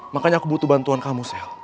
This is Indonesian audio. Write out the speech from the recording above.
makanya aku butuh bantuan kamu sel